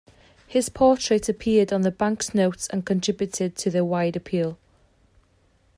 His portrait appeared on the bank's notes and contributed to their wide appeal.